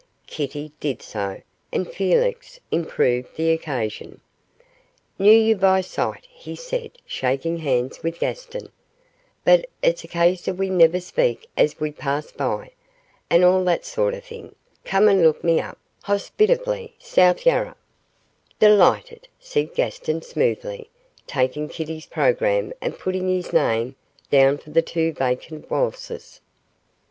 Kitty did so, and Felix improved the occasion. 'Knew you by sight,' he said, shaking hands with Gaston, 'but it's a case of we never speak as we pass by, and all that sort of thing come and look me up,' hospitably, 'South Yarra.' 'Delighted,' said Gaston, smoothly, taking Kitty's programme and putting his name down for the two vacant waltzes.